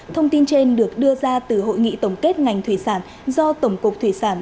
thông tin trên được đưa ra từ hội nghị tổng kết ngành thủy sản do tổng cục thủy sản